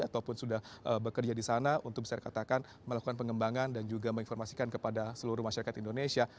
ataupun sudah bekerja di sana untuk bisa dikatakan melakukan pengembangan dan juga menginformasikan kepada seluruh masyarakat indonesia